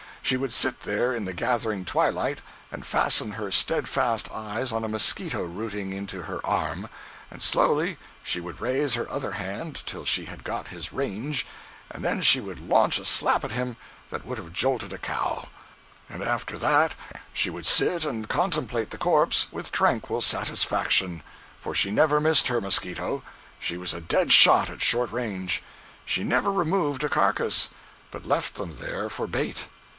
She would sit there in the gathering twilight and fasten her steadfast eyes on a mosquito rooting into her arm, and slowly she would raise her other hand till she had got his range, and then she would launch a slap at him that would have jolted a cow; and after that she would sit and contemplate the corpse with tranquil satisfaction—for she never missed her mosquito; she was a dead shot at short range. She never removed a carcase, but left them there for bait.